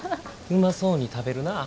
うまそうに食べるなぁ。